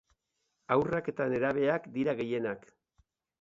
Haurrak eta nerabeak dira gehienak.